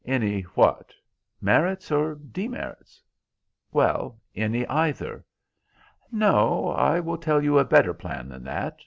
"Any what? merits or demerits?" "Well, any either." "No; I will tell you a better plan than that.